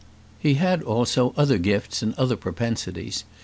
He had also other gifts and other propensities.